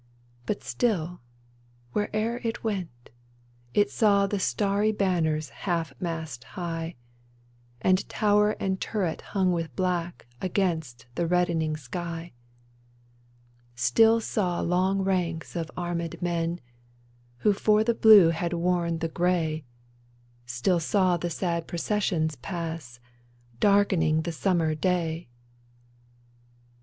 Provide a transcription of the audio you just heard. But still, where'er it went, it saw The starry banners half mast high, And tower and turret hung with black Against the reddening sky ! Still saw long ranks of armed men Who for the blue had worn the gray — Still saw the sad processions pass, Darkening the summer day